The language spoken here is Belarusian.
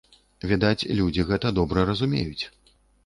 Відаць, людзі гэта добра разумеюць.